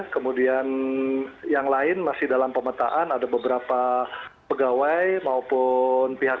kemudian yang lain masih dalam pemetaan ada beberapa pegawai maupun pihak